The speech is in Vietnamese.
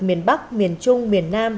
miền bắc miền trung miền nam